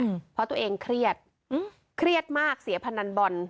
อืมเพราะตัวเองเครียดอืมเครียดมากเสียพนันบอล